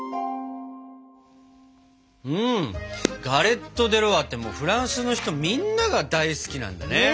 ガレット・デ・ロワってもうフランスの人みんなが大好きなんだね。